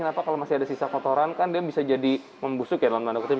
kenapa kalau masih ada sisa kotoran kan dia bisa jadi membusuk ya dalam tanda kutip